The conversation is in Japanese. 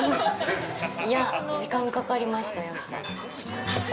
◆いや、時間かかりましたやっぱ。